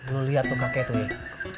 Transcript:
lu liat tuh kakek tuh nih